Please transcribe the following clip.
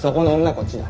こっちだ。